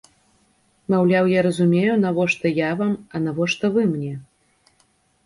Маўляў, я разумею, навошта я вам, а навошта вы мне?